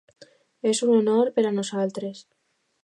És un honor per a nosaltres.